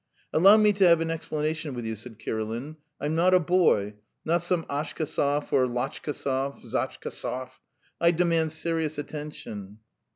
"Allow me to have an explanation with you," said Kirilin. "I'm not a boy, not some Atchkasov or Latchkasov, Zatchkasov. ... I demand serious attention."